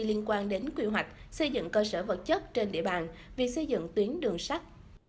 liên quan đến quy hoạch xây dựng cơ sở vật chất trên địa bàn việc xây dựng tuyến đường sắt